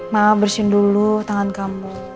maaf bersihin dulu tangan kamu